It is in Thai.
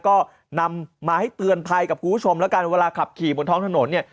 ก็นำมาให้เตือนภัยกับคุณผู้ชมแล้วกันเวลาขับขี่บนท้องถนนเนี่ย